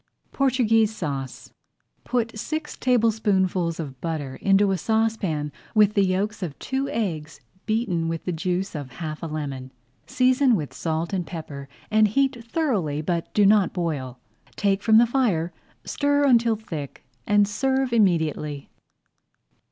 PORTUGUESE SAUCE Put six tablespoonfuls of butter into a saucepan with the yolks of two eggs beaten with the juice of half a lemon. Season with salt and pepper and heat thoroughly but do not boil. Take from the fire, stir until thick, and serve immediately.